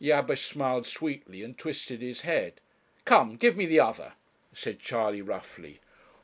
Jabesh smiled sweetly and twisted his head. 'Come, give me the other,' said Charley roughly.